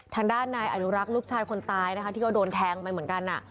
ทางด้านนายอนุรักษ์ลูกชายคนตายนะคะที่ก็โดนแทงไปเหมือนกัน